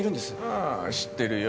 ああ知ってるよ。